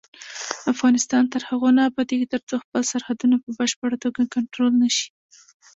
افغانستان تر هغو نه ابادیږي، ترڅو خپل سرحدونه په بشپړه توګه کنټرول نشي.